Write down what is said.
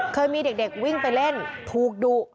เคยมีเด็กวิ่งไปเล่นถูกดุ